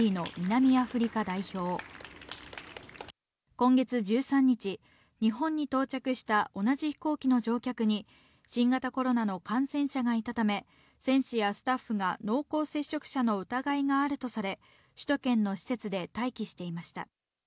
今月１３日、日本に到着した同じ飛行機の乗客に新型コロナの感染者がいたため選手やスタッフが濃厚接触者の疑いがあるとされ首都圏の施設で待機していました。